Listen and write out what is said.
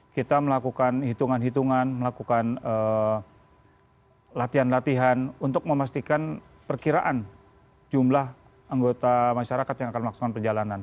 kita melakukan hitungan hitungan melakukan latihan latihan untuk memastikan perkiraan jumlah anggota masyarakat yang akan melaksanakan perjalanan